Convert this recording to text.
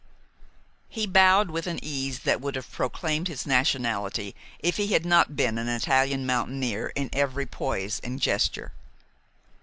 He bowed with an ease that would have proclaimed his nationality if he had not been an Italian mountaineer in every poise and gesture.